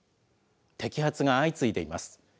摘発が相次いでいます。